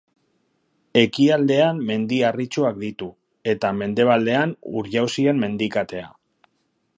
Ekialdean Mendi Harritsuak ditu, eta mendebaldean Ur-jauzien mendikatea.